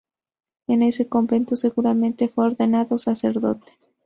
En ese convento seguramente fue ordenado sacerdote.